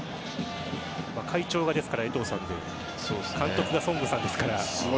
会長がエトーさんで監督がソングさんですから。